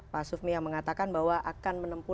pak sufmi yang mengatakan bahwa akan menempuh